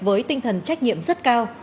với tinh thần trách nhiệm rất cao